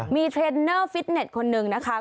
มีเทรนเนอร์ฟิตเน็ตคนหนึ่งนะคะ